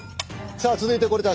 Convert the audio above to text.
さあ続いてこれだ。